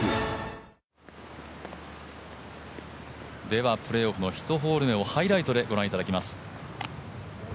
ではプレーオフの１ホール目をハイライトでご覧いただきます。